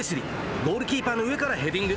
ゴールキーパーの上からヘディング。